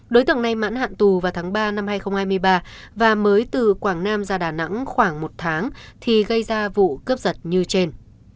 đối tượng này mãn hạn tù vào tháng ba năm hai nghìn hai mươi ba và mới từ quảng nam ra đà nẵng khoảng một tháng thì gây ra vụ cướp giật như trên